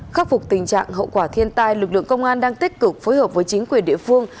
khắc phục tình trạng hậu quả thiên tai lực lượng công an đang tích cực phối hợp với chính quyền địa phương